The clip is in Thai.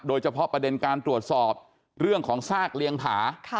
โดยเฉพาะประเด็นการตรวจสอบเรื่องของซากเลี้ยงผา